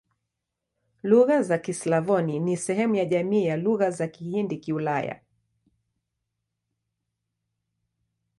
Lugha za Kislavoni ni sehemu ya jamii ya Lugha za Kihindi-Kiulaya.